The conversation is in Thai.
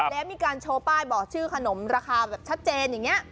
แล้วมีการโชว์ป้ายบอกชื่อขนมราคาแบบชัดเจนอย่างนี้